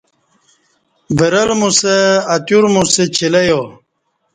برل موسہء اتیور موسہ چلے یا